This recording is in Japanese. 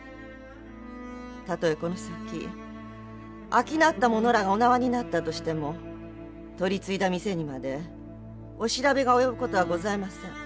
たとえこの先商った者らがお縄になったとしても取り次いだ店にまでお調べが及ぶ事はございません。